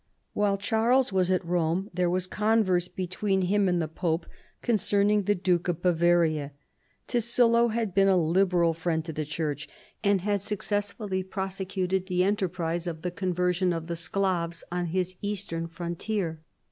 While Ciiarles was at Rome there was converse between him and the pope concerning the Duke of Bavaria. Tassilo had been a liberal friend to the Church, and had successfully prosecuted the enter prise of the conversion of the Sclaves on his eastern frontier.